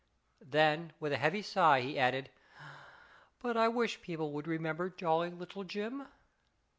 Then with a heavy sigh he added, " But I wish people would remember Jolly Little Jim."